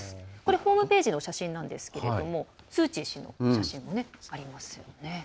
ホームページの写真なんですけどスー・チー氏の写真もありますよね。